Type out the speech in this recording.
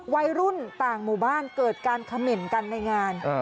วัยรุ่นต่างหมู่บ้านเกิดการเขม่นกันในงาน